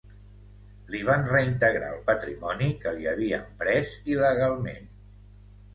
Li van reintegrar el patrimoni que li havien pres il·legalment.